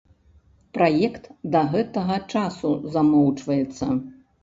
Праект да гэтага часу замоўчваецца.